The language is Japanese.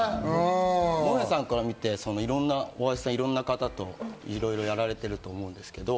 萌音さんから見て、大橋さんはいろんな方といろいろやられていると思うんですけど。